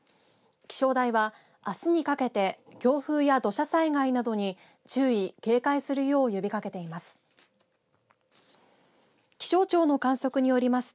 気象台は、あすにかけて強風や土砂災害などに注意・警戒するよう呼びかけています。